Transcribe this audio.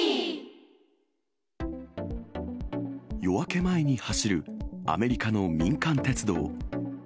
夜明け前に走るアメリカの民間鉄道。